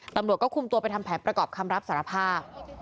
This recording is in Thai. ตำรวจก็คุมตัวไปทำแผนประกอบคำรับสารภาพ